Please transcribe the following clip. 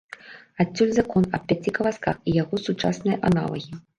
Адсюль закон аб пяці каласках і яго сучасныя аналагі.